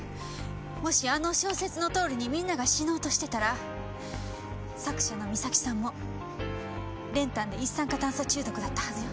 もしあの小説のとおりに皆が死のうとしてたら作者の美咲さんも練炭で一酸化炭素中毒だったはずよ。